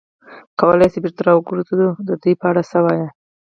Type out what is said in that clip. کولای شو بېرته را وګرځو، د دوی په اړه څه وایې؟